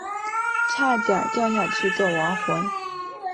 差点掉下去做亡魂